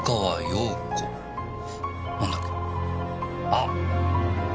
あっ！